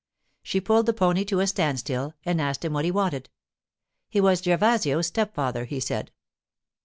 She pulled the pony to a standstill and asked him what he wanted. He was Gervasio's stepfather, he said.